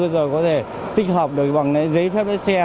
rồi có thể tích hợp được bằng giấy phép đất xe